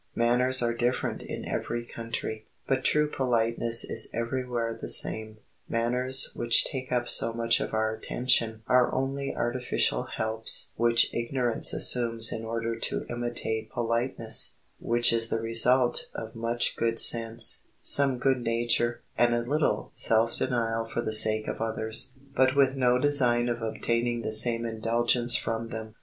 Manners are different in every country; but true politeness is every where the same. Manners which take up so much of our attention are only artificial helps which ignorance assumes in order to imitate politeness, which is the result of much good sense, some good nature, and a little self denial for the sake of others, but with no design of obtaining the same indulgence from them.